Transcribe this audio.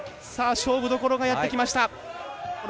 勝負どころがやってきました。